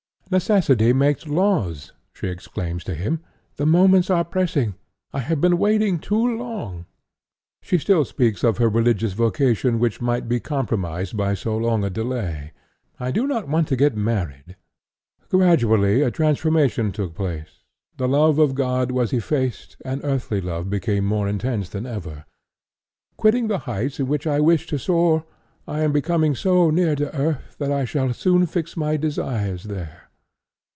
'Necessity makes laws,' she exclaims to him, 'the moments are pressing, I have been waiting too long.' She still speaks of her religious vocation which might be compromised by so long a delay. 'I do not want to get married.' Gradually a transformation took place; the love of God was effaced and earthly love became more intense than ever. 'Quitting the heights in which I wished to soar, I am coming so near to earth that I shall soon fix my desires there.'